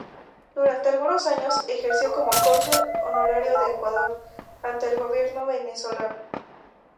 Durante algunos años, ejerció como Cónsul Honorario de Ecuador ante el gobierno venezolano.